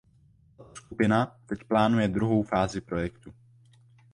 Tato skupina teď plánuje druhou fázi projektu.